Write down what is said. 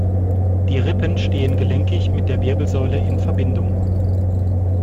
Die Rippen stehen gelenkig mit der Wirbelsäule in Verbindung.